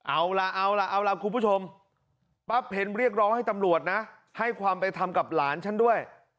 เอาล่ะเอาล่ะเอาล่ะคุณผู้ชมป้าเพ็ญเรียกร้องให้ตำรวจนะให้ความไปทำกับหลานฉันด้วย